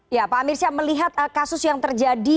ya pak amirsyah melihat kasus yang terjadi